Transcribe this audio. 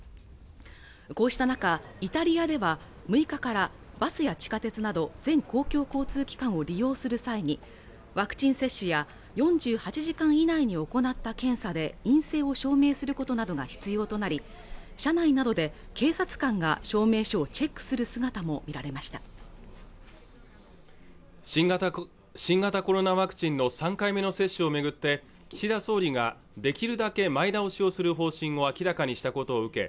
こうした中イタリアでは６日からバスや地下鉄など全公共交通機関を利用する際にワクチン接種や４８時間以内に行った検査で陰性を証明することなどが必要となり車内などで警察官が証明書をチェックする姿も見られました新型コロナワクチンの３回目の接種を巡って岸田総理ができるだけ前倒しをする方針を明らかにしたことを受け